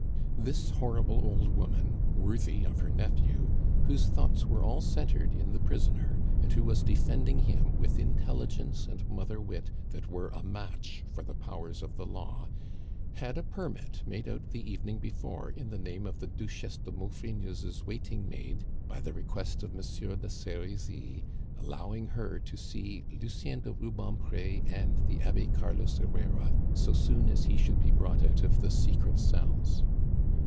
This horrible old woman worthy of her nephew whose thoughts were all centered in the prisoner, and who was defending him with intelligence and mother wit that were a match for the powers of the law, had a permit made out the evening before in the name of the Duchesse de Maufrigneuse's waiting maid by the request of Monsieur de Serizy, allowing her to see Lucien de Rubempre, and the Abbe Carlos Herrera so soon as he should be brought out of the secret cells.